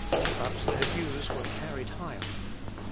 But their views were carried higher.